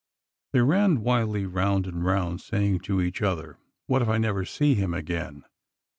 They ran wildly round and round, saying to each other, "What if I never see him again?